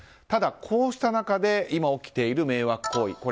ただ、こうした中で今起きている迷惑行為。